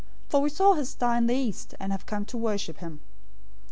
For we saw his star in the east, and have come to worship him."